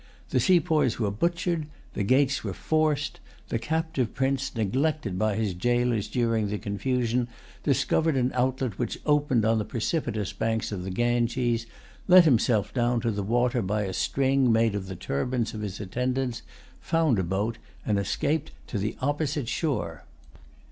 The sepoys were butchered. The gates were forced. The captive prince, neglected by his jailers during the confusion, discovered an outlet which opened on the precipitous bank of the Ganges, let himself down to the water by a string made of the turbans of his attendants, found a boat, and escaped to the opposite shore.